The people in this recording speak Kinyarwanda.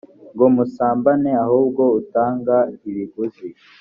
ngo musambane ahubwo utanga ibiguzi